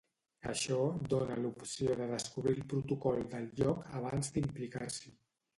Això dona l'opció de descobrir el protocol del lloc abans d'implicar-s'hi.